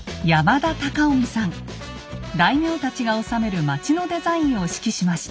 大名たちが治める町のデザインを指揮しました。